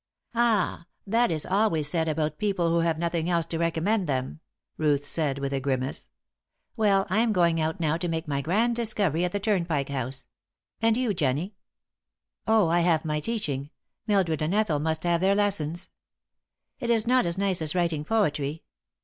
"Ah, that is always said about people who have nothing else to recommend them," Ruth said, with a grimace. "Well, I am going out now to make my grand discovery at the Turnpike House and you, Jennie?" "Oh, I have my teaching. Mildred and Ethel must have their lessons." "It is not as nice as writing poetry."